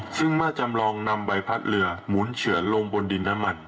ซึ่งเมื่อจำลองนำใบพัดเรือหมุนเฉือนลงบนดินน้ำมัน